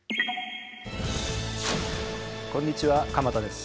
こんにちは鎌田です。